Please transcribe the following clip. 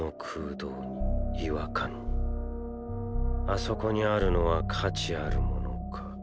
あそこにあるのは価値あるものか？